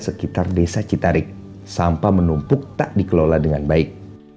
sekitar desa citarik sampah menumpuk tak dikelola dengan baik